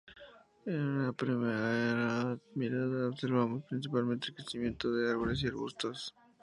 En una primera mirada observamos principalmente el crecimiento de árboles y arbustos.